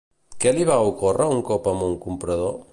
Què li va ocórrer un cop amb un comprador?